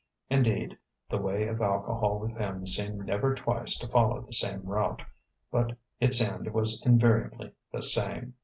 Indeed, the way of alcohol with him seemed never twice to follow the same route; but its end was invariably the same.